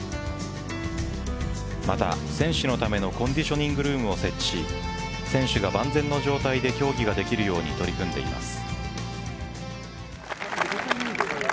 また、選手のためのコンディショニングルームを設置し選手が万全の状態で競技ができるように取り組んでいます。